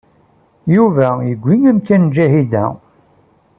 Yuba yewwi amkan n Ǧahida.